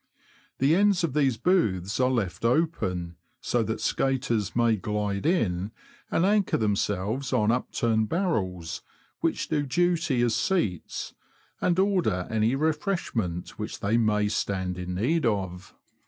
The ends of these booths are left open, so that skaters may glide in, and anchor themselves on upturned barrels, which do duty as seats, and order any refreshment which they may stand in need of.